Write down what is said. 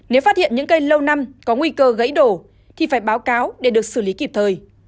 nếu phát hiện những cây lâu năm có nguy cơ gãy đổ thì phải báo cáo để được xử lý kịp thời